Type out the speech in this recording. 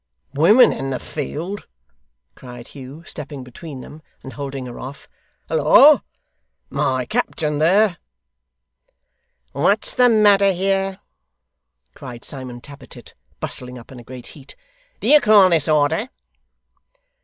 'Women in the field!' cried Hugh, stepping between them, and holding her off. 'Holloa! My captain there!' 'What's the matter here?' cried Simon Tappertit, bustling up in a great heat. 'Do you call this order?